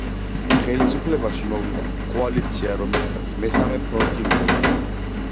ხელისუფლებაში მოვიდა კოალიცია რომელსაც „მესამე ფრონტი“ უწოდეს.